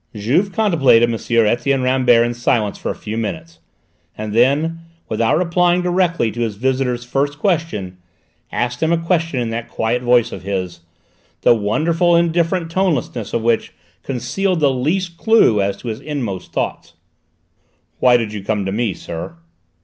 Juve contemplated M. Etienne Rambert in silence for a few minutes, and then, without replying directly to his visitor's first question, asked him a question in that quiet voice of his, the wonderful indifferent tonelessness of which concealed the least clue to his inmost thoughts. "Why do you come to me, sir?"